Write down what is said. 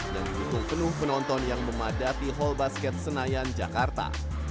dan mengikut penuh penonton yang memadati hall basket senayan jakarta